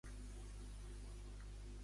Com ha actuat JxCat?